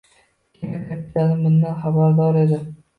Kema kapitani bundan xabardor edi.